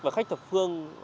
và khách thập phương